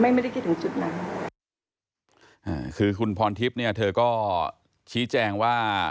ไม่ได้คิดถึงจุดนั้นอ่าคือคุณพรทิพย์เนี่ยเธอก็ชี้แจงว่า